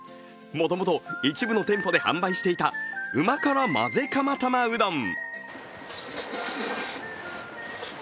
もともと一部の店舗で販売していたうま辛まぜ釜玉うどん。